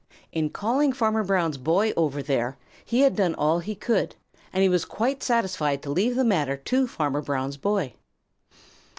In calling Farmer Brown's boy over there, he had done all he could, and he was quite satisfied to leave the matter to Farmer Brown's boy.